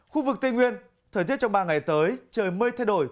khu vực tây nguyên thời tiết trong ba ngày tới trời mây thay đổi